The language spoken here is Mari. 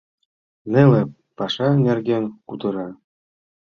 Неле паша нерген кутыра.